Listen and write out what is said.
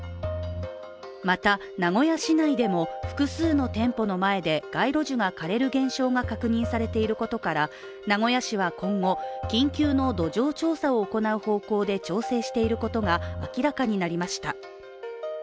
また、名古屋市内でも複数の店舗の前で街路樹が枯れる現象が確認されていることから名古屋市は今後、緊急の土壌調査を行うことで調整していることが明らかになりました。